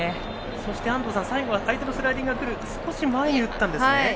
そして安藤さん、最後は相手のスライディングが来る少し前に打ったんですね。